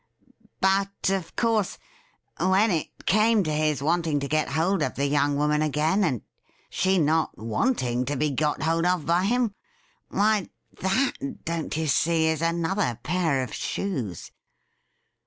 But, of course, when it came to his wanting to get hold of the young woman again, and she not wanting to be got hold of by him, why, that, don't you see, is another pair of shoes.